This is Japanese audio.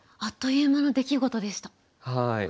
あっという間の出来事でした。